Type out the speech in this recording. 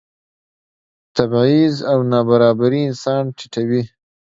تبعیض او نابرابري انسان ټیټوي.